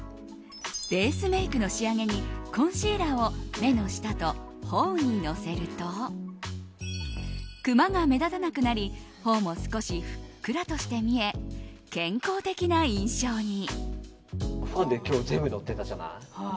ベースメイクの仕上げにコンシーラーを目の下と頬にのせるとクマが目立たなくなり頬も少しふっくらとして見え健康的な印象に。